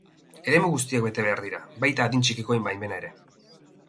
Eremu guztiak bete behar dira, baita adin txikikoen baimena ere.